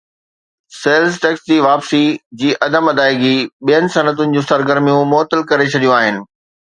sales tax جي واپسي جي عدم ادائيگي ٻين صنعتن جون سرگرميون معطل ڪري ڇڏيون آهن